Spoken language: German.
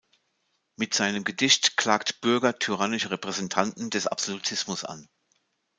Mit seinem Gedicht klagt Bürger tyrannische Repräsentanten des Absolutismus an.